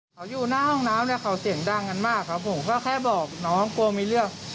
เขาอยู่หน้าห้องน้ำเนี่ยเขาเสียงดังกันมากครับผมก็แค่บอกน้องกลัวมีเรื่อง